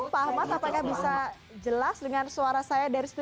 prasetya maaf biasanya terlalu